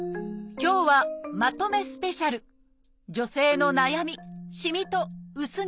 今日は「まとめスペシャル」女性の悩み